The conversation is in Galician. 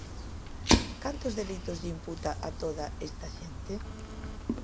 ¿Cantos delitos lle imputa a toda esta xente?